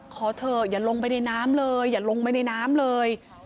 ขอเถอะอย่าลงไปในน้ำเลยอย่าลงไปในน้ำเลย